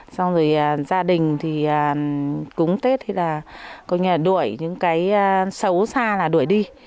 xong rồi gia đình thì cúng tết thì là đuổi những cái xấu xa là đuổi đi